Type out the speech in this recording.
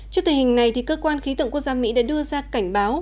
trước tình hình này cơ quan khí tượng quốc gia mỹ đã đưa ra cảnh báo